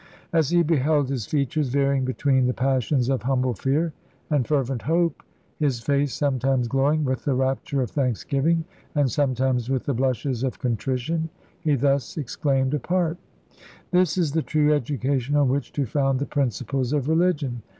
As he beheld his features varying between the passions of humble fear and fervent hope, his face sometimes glowing with the rapture of thanksgiving, and sometimes with the blushes of contrition, he thus exclaimed apart: "This is the true education on which to found the principles of religion.